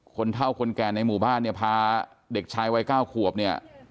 คนเท่าคนแก่ในหมู่บ้านเนี่ยพาเด็กชายวัย๙ขวบเนี่ย